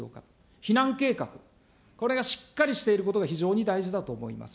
避難計画、これがしっかりしていることが、非常に大事だと思います。